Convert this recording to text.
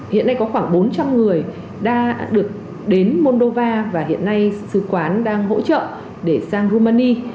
hiện nay có khoảng bốn trăm linh người đã được đến moldova và hiện nay sứ quán đang hỗ trợ để sang rumani